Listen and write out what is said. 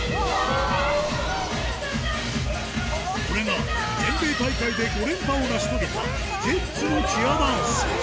これが全米大会で５連覇を成し遂げた ＪＥＴＳ のチアダンス